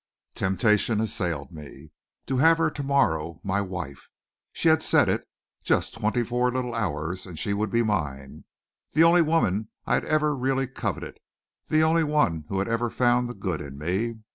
Temptation assailed me. To have her to morrow my wife! She had said it. Just twenty four little hours, and she would be mine the only woman I had ever really coveted, the only one who had ever found the good in me.